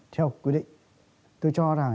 theo quyết định tôi cho rằng